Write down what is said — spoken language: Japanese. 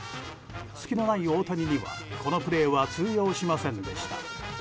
隙のない大谷には、このプレーは通用しませんでした。